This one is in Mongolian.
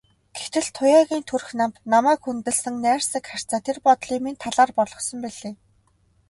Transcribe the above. Гэтэл Туяагийн төрх намба, намайг хүндэлсэн найрсаг харьцаа тэр бодлыг минь талаар болгосон билээ.